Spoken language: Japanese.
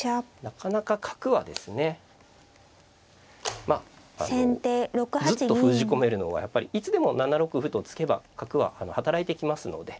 なかなか角はですねずっと封じ込めるのはやっぱりいつでも７六歩と突けば角は働いてきますので。